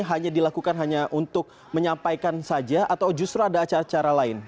hanya dilakukan hanya untuk menyampaikan saja atau justru ada acara acara lain